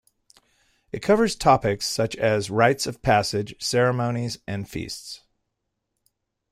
It covers topics such as rites of passage, ceremonies and feasts.